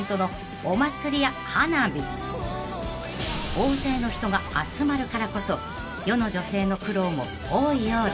［大勢の人が集まるからこそ世の女性の苦労も多いようで］